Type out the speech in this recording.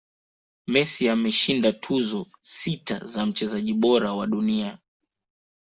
messi ameshinda tuzo sita za mchezaji bora wa dunia